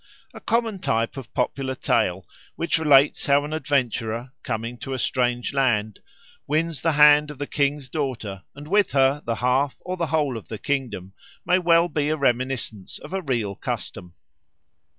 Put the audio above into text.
A common type of popular tale, which relates how an adventurer, coming to a strange land, wins the hand of the king's daughter and with her the half or the whole of the kingdom, may well be a reminiscence of a real custom.